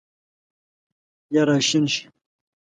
یا راشین شي